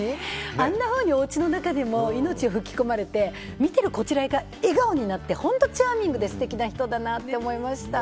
あんなふうにおうちの中でも命を吹き込まれて見てるこちらが笑顔になって本当にチャーミングで素敵な人だなって思いました。